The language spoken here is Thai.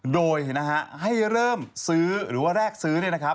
โดยให้เริ่มซื้อหรือว่าแรกซื้อ